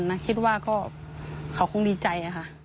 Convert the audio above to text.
เราคิดว่าก็ขอคงดีใจ